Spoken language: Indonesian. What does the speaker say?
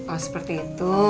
oh seperti itu